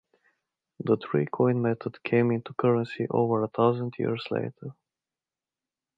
The three coin method came into currency over a thousand years later.